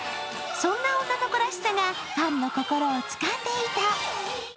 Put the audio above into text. そんな女の子らしさがファンの心をつかんでいた。